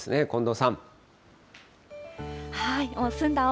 近藤さん。